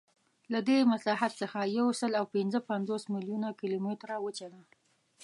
له دې مساحت څخه یوسلاوپینځهپنځوس میلیونه کیلومتره وچه ده.